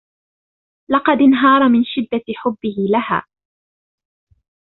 لقد انهار من شدة حبه لها.